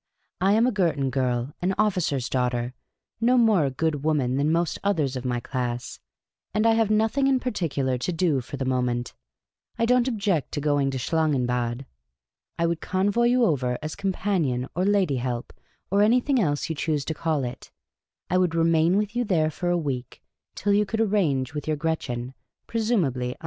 " I am a Girton girl, an officer's daughter, no more a good woman than most others of my class ; and I have nothing in particular to do for the moment. I don't object to going to Schlangenbad. I would convoy you over, as companion, or lady help, or anything else you choose to call it ; I would remain with you there for a week, till you could arrange with your Gretchen, presumably un.